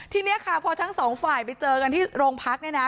ทีนี้ค่ะพอทั้งสองฝ่ายไปเจอกันที่โรงพักเนี่ยนะ